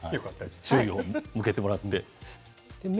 注意を向けてもらって。